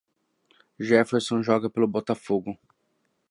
Jefferson joga pelo Botafogo.